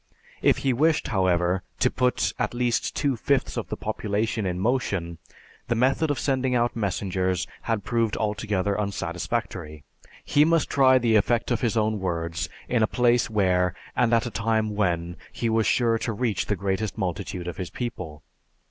If he wished, however, to put at least two fifths of the population in motion, the method of sending out messengers had proved altogether unsatisfactory. He must try the effect of his own words in a place where, and at a time when, he was sure to reach the greatest multitude of his people.